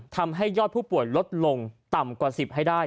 ทำให้ยอดผู้ป่วยลดลงต่ำกว่า๑๐ให้ได้